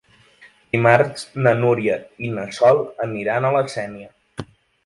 Dimarts na Núria i na Sol aniran a la Sénia.